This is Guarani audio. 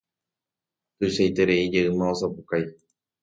Tuichaitereijeýma osapukái.